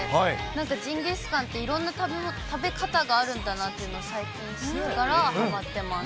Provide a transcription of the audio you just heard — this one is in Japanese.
なんか、ジンギスカンっていろんな食べ方があるんだなというのを最近知ってから、はまってます。